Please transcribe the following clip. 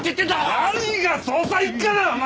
何が捜査一課だお前！